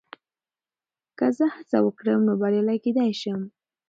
که زه هڅه وکړم، نو بریالی کېدای شم.